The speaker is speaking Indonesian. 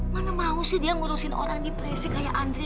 mana mau sih dia ngurusin orang dipresik kaya andre